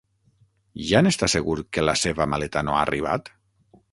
Ja n'està segur que la seva maleta no ha arribat?